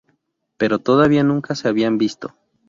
Pero todavía nunca se habían visto.